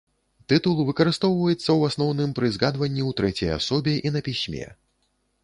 Тытул выкарыстоўваецца, у асноўным, пры згадванні ў трэцяй асобе і на пісьме.